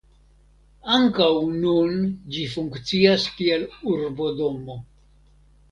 Ankaŭ nun ĝi funkcias kiel urbodomo.